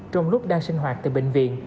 trong lúc đang sinh hoạt tại bệnh viện